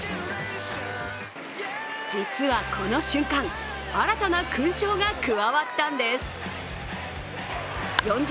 実はこの瞬間、新たな勲章が加わったんです４０